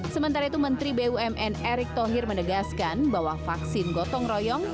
sementara itu menteri bumn erick thohir menegaskan bahwa vaksin gotong royong